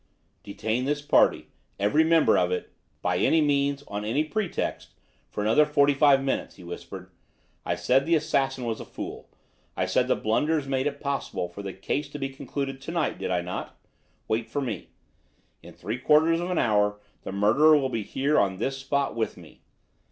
"Detain this party, every member of it, by any means, on any pretext, for another forty five minutes," he whispered. "I said the assassin was a fool; I said the blunders made it possible for the case to be concluded to night, did I not? Wait for me. In three quarters of an hour the murderer will be here on this spot with me!"